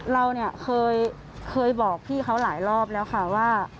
เราเนี่ยเคยบอกพี่เขาหลายรอบแล้วค่ะว่า